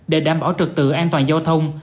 để đảm bảo trực tự an toàn giao thông